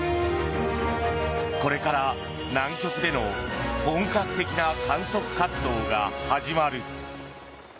これから南極での本格的な観測活動が始まる。